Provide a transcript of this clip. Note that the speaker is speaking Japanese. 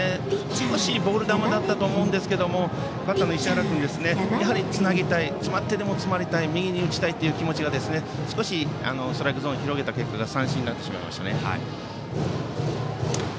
少しボール球だったと思いますがバッターの石原君は詰まってでもつなげたい右に打ちたい気持ちがストライクゾーンを広げた結果三振になってしまいましたね。